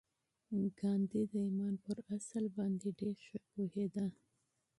ګاندي د ایمان پر اصل باندې ډېر ښه پوهېده